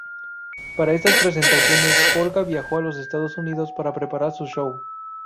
Para estas presentaciones, Olga viajó a los Estados Unidos para preparar su show.